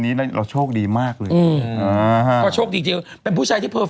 ได้เจอคนนี้เราโชคดีมากเลย